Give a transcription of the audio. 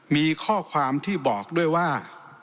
มีข้อความที่บอกด้วยว่า